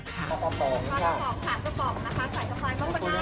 ขอบค์พร้อมค่ะ